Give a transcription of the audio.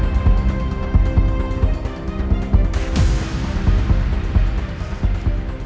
tidak ada masalah